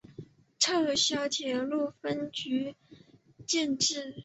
撤销铁路分局建制。